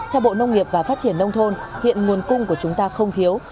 theo bộ nông nghiệp và phát triển nông thôn hiện nguồn cung của chúng ta không thiếu